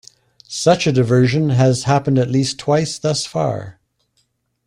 Such a diversion has happened at least twice thus far.